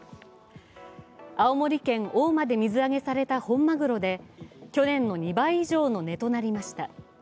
青森県・大間で水揚げされた本マグロで、去年の２倍以上の値となりました。